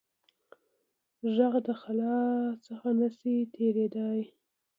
غږ د خلا څخه نه شي تېرېدای.